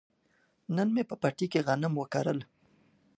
نن مې په پټي کې غنم وکرل.